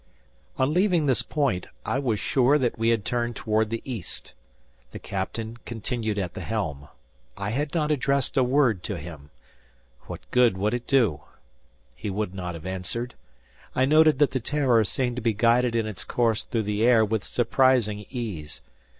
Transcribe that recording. On leaving this point, I was sure that we had turned toward the east. The captain continued at the helm. I had not addressed a word to him. What good would it do? He would not have answered. I noted that the "Terror" seemed to be guided in its course through the air with surprising ease.